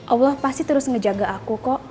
allah pasti terus ngejaga aku kok